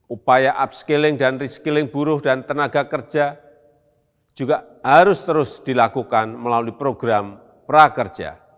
upaya upskilling dan reskilling buruh dan tenaga kerja juga harus terus dilakukan melalui program prakerja